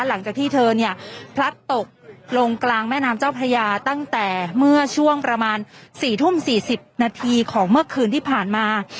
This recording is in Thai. หลังจากที่เธอเนี่ยพลัดตกลงกลางแม่น้ำเจ้าพระยาตั้งแต่เมื่อช่วงประมาณ๔ทุ่ม๔๐นาทีของเมื่อคืนที่ผ่านมา